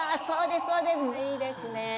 そうですいいですね